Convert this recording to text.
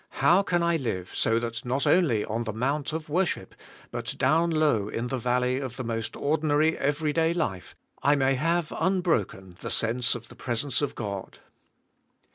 How can I live so that not only on the mount of worship, but down low in the valley of the most ordinary everyday life I may have unbroken the sense of the presence of God.